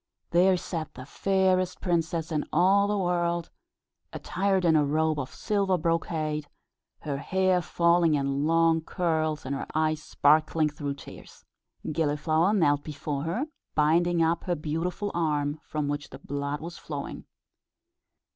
There sat the fairest princess in all the world, attired in a robe of silver brocade, her hair falling in long curls, and her eyes sparkling through tears. Gilliflower knelt before her, binding up her beautiful arm, from which the blood was flowing.